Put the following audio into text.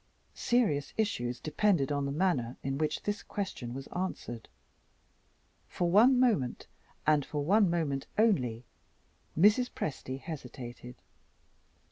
Serious issues depended on the manner in which this question was answered. For one moment, and for one moment only, Mrs. Presty hesitated.